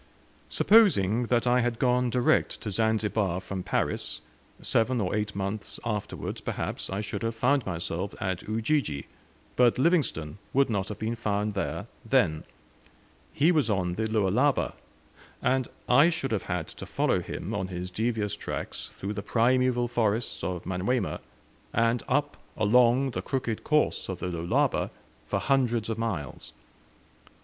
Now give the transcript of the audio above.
Supposing that I had gone direct to Zanzibar from Paris, seven or eight months afterwards, perhaps, I should have found myself at Ujiji, but Livingstone would not have been found there then; he was on the Lualaba; and I should have had to follow him on his devious tracks through the primeval forests of Manyuema, and up along the crooked course of the Lualaba for hundreds of miles.